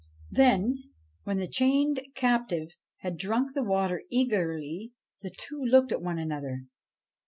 Then, when the chained captive had drunk the water eagerly, the two looked at one another.